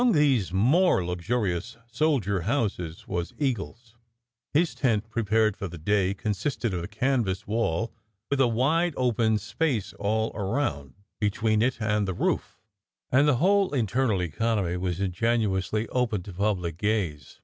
Among these more luxurious soldier houses was Eagle s. His tent, prepared for the day, consisted of a canvas wall with a wide open space all around, between it and the roof; and the whole internal economy was ingenuously open to public gaze.